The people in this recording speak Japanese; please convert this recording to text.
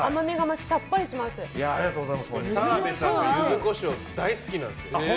澤部さんがユズコショウ、大好きなんですよ。